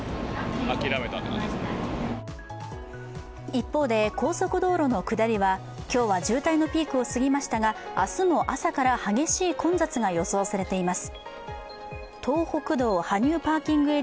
一方で、高速道路の下りは今日は渋滞のピークを過ぎましたが明日も朝から激しい混雑が予想されています。